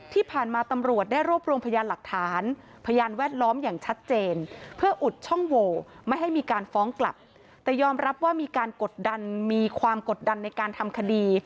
ที่ผ่านมาตำรวจได้รวบรวมพยานหลักฐานพยานแวดล้อมอย่างชัดเจนเพื่ออุดช่องโหวไม่ให้มีการฟ้องกลับแต่ยอมรับว่ามีการกดดันมีความกดดันในการทำคดี